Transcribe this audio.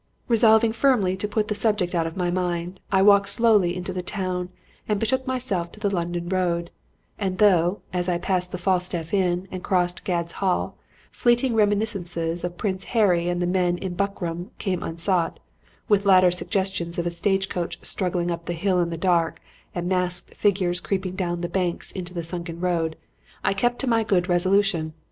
Resolving firmly to put the subject out of my mind, I walked slowly into the town and betook myself to the London Road; and though, as I passed the Falstaff Inn and crossed Gad's Hill, fleeting reminiscences of Prince Henry and the men in buckram came unsought, with later suggestions of a stagecoach struggling up the hill in the dark and masked figures creeping down the banks into the sunken road, I kept to my good resolution.